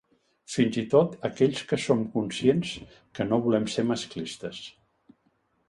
Fins i tot aquells que som conscients que no volem ser masclistes.